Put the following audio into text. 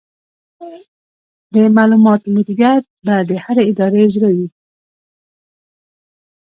د معلوماتو مدیریت به د هرې ادارې زړه وي.